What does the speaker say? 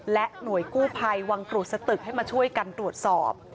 หน่วยกู้ภัยวังกรูดสตึกให้มาช่วยกันตรวจสอบ